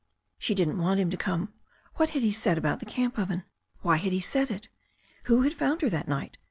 She didn't want him to come. What had he said about the camp oven? Why had he said it? Who had found her that night?